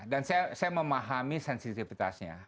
dan saya memahami sensitivitasnya